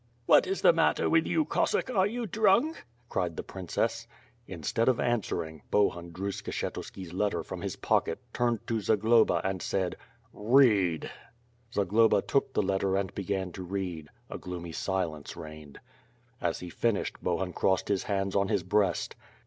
"What is the matter with you, Cossack? Are you drunk?" cried the princess. Instead of answering, Bohun drew Skshetuski's letter from his ])ocket, turned to Zagloba, and said: "Read!' 228 ^iTH FIRE AND SWORD. Zagloba took the letter and began to read. A gloomy si lence reigned. As he finished, Bohun croscd his hands on his ibreast.